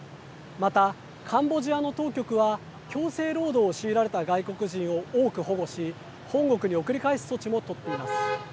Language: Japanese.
また、カンボジアの当局は強制労働を強いられた外国人を多く保護し本国に送り返す措置も取っています。